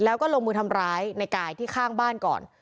แล้วก็ลงมือทำร้ายในกายที่ข้างบ้านก่อน